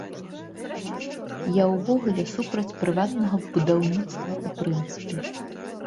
Я ўвогуле супраць прыватнага будаўніцтва ў прынцыпе.